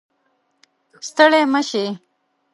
ستړې مه شئ